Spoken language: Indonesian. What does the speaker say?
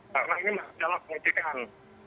karena ini adalah pengecekan